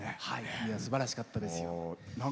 すばらしかったです。